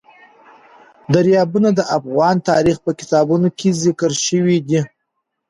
دریابونه د افغان تاریخ په کتابونو کې ذکر شوی دي.